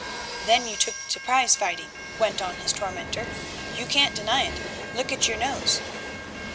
"Then you took to prize fighting," went on his tormentor; "you can't deny it; look at your nose."